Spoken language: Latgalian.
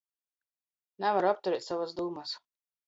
Navaru apturēt sovys dūmys...